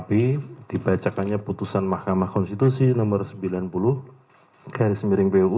terima kasih mas idam